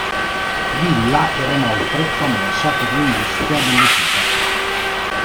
Villa era inoltre famosa per l'industria delle pipe.